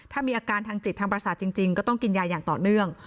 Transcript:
ถ้ามีอาการทางจิตทางประสาทจริงก็ต้องกินยาอย่างต่อเนื่อง